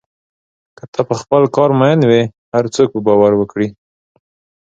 که ته په خپل کار مین وې، هر څوک به باور وکړي.